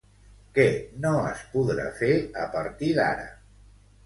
Què no es podrà fer a partir d'ara?